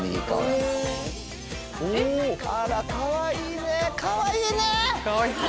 かわいい。